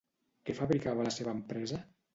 Què fabricava la seva empresa?